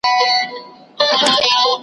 وئیل یې پرهرونه په هوا کله رغېږي .